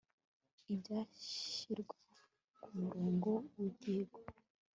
ibyashyirwa ku murongo w ibyigwa